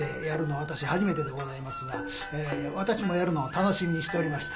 初めてでございますが私もやるのを楽しみにしておりました。